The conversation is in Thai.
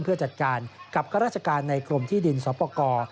เพื่อจัดการกับข้าราชการในกรมที่ดินสอปกร